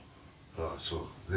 ああそうだね。